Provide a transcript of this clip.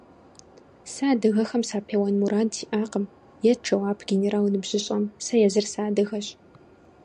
Сэ адыгэхэм сапеуэн мурад сиӀакъым, – ет жэуап генерал ныбжьыщӀэм. – Сэ езыр сыадыгэщ.